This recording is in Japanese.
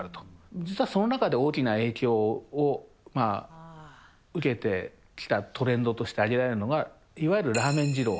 実はその中で大きな影響を受けてきたトレンドとして挙げられるのが、いわゆるラーメン二郎。